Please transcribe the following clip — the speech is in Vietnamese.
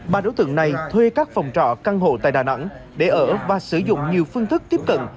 ba đối tượng này thuê các phòng trọ căn hộ tại đà nẵng để ở và sử dụng nhiều phương thức tiếp cận